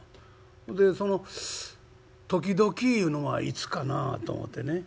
でその『時々』いうのはいつかなと思てね。